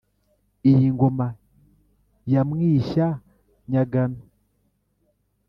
iyi ngoma ya mwishya-nyagano